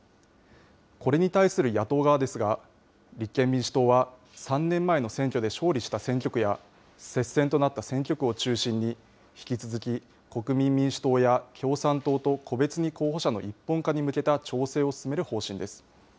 これに対する野党側ですが、立憲民主党は、３年前の選挙で勝利した選挙区や接戦となった選挙区を中心に、引き続き国民民主党や共産党と個別に候補者の一本化に向けた調整を進める方針です。